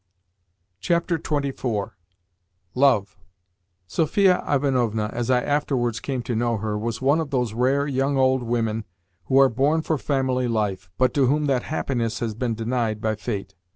XXIV. LOVE SOPHIA IVANOVNA, as I afterwards came to know her, was one of those rare, young old women who are born for family life, but to whom that happiness has been denied by fate.